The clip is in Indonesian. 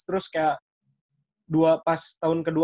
terus kayak dua pas tahun ke dua aja